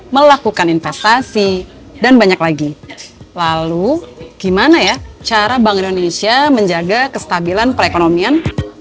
melakukan investasi dan banyak lagi lalu gimana ya cara bank indonesia menjaga kestabilan perekonomian